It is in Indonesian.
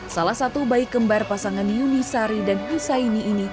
salah satu bayi kembar pasangan yuni sari dan husaini ini